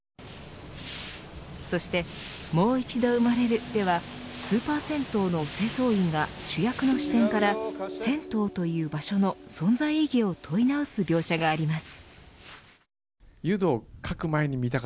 そしてもう一度生まれるではスーパー銭湯の清掃員が主役の視点から銭湯という場所の存在意義を問い直す描写があります。